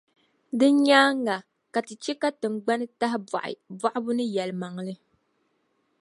Din nyaaŋa, ka Ti chɛ ka tiŋgbani tahibɔɣi, bɔɣibu ni yɛlimaŋli.